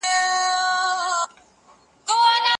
هغه نظام چي په زور ولاړ وي پاتیږي نه.